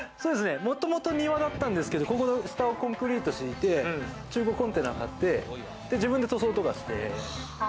もともと庭だったんですけど下はコンクリートしいて、中古コンテナを買って自分で塗装とかして。